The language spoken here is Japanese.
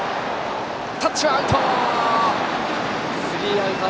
タッチはアウト！